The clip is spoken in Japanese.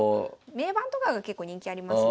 銘板とかが結構人気ありますね。